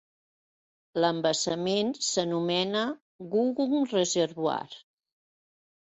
L'embassament s'anomena Googong Reservoir.